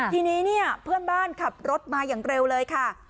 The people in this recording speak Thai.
ทีนี้เนี่ยเพื่อนบ้านขับรถมาอย่างเร็วเลยค่ะ